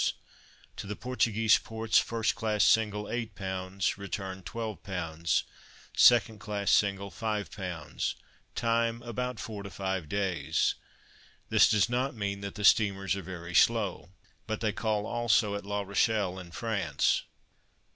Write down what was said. To the Portuguese ports, first class single, £8, return, £12; second class single, £5. Time, about 4 to 5 days. This does not mean that the steamers are very slow, but they call also at La Rochelle, in France.